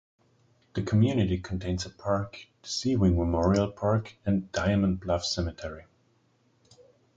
The community contains a park, the Sea Wing Memorial Park and Diamond Bluff Cemetery.